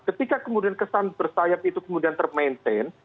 ketika kemudian kesan bersayap itu kemudian termaintain